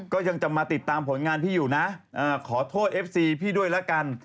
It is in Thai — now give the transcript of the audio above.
ก็ยังจะมาติดตามผลงานพี่อยู่นะขอโทษเอฟซีพี่ด้วยแล้วกัน